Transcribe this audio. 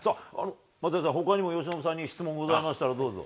松也さん、ほかにも由伸さんに質問ございましたら、どうぞ。